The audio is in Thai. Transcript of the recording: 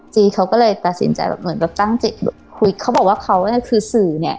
จีเขาก็เลยตัดสินใจแบบเหมือนแบบตั้งจิตคุยเขาบอกว่าเขาเนี่ยคือสื่อเนี่ย